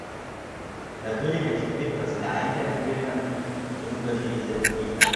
Natürlich entspringt das Nein der Iren den unterschiedlichsten Motiven.